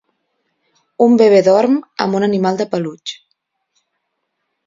Un bebè dorm amb un animal de peluix.